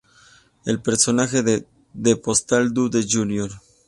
El personaje es The postal Dude Jr.